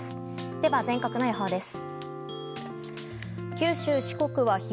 では全国の予報です。